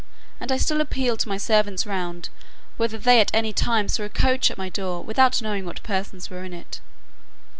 And I still appeal to my servants round, whether they at any time saw a coach at my door, without knowing what persons were in it.